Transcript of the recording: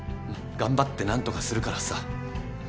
頑張って何とかするからさ。